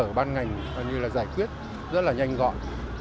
của ban ngành giải quyết rất là nhanh gọn